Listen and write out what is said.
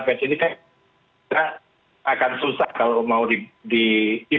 mas buset ini kan akan susah kalau mau di